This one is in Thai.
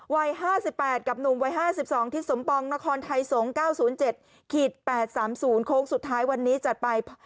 วัย๕๘กับหนุ่มวัย๕๒ทิศสมปองนครไทยสงศ์๙๐๗๘๓๐โค้งสุดท้ายวันนี้จัดไป